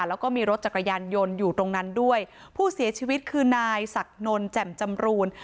แล้วก็มีรถจักรยานยนต์อยู่ตรงนั้นด้วยผู้เสียชีวิตคือนายศักดิ์นลแจ่มจำรูน